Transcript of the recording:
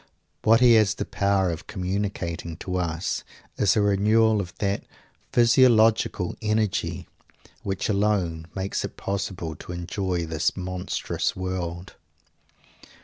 What he has the power of communicating to us is a renewal of that physiological energy, which alone makes it possible to enjoy this monstrous world.